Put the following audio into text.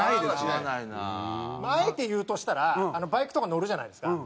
まああえて言うとしたらバイクとか乗るじゃないですか。